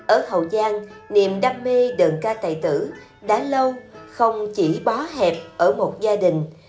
ở hậu giang niềm đam mê đơn ca tài tử đã lâu không chỉ bó hẹp ở một gia đình